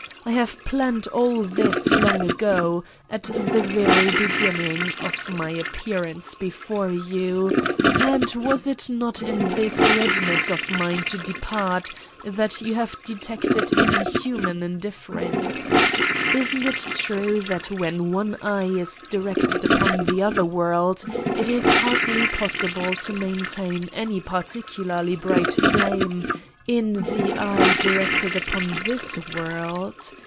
I have planned all this long ago, at the very beginning ... of my appearance before you, and was it not in this readiness of mine to depart that you have detected 'inhuman' indifference? Isn't it true that when one eye is directed upon the other world, it is hardly possible to maintain any particularly bright flame in the eye directed upon this world?